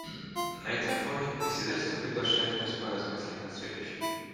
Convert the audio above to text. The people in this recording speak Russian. На этом фоне председательство приглашает вас поразмыслить над следующим.